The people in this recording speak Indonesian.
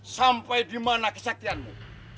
sampai di mana kesaktianmu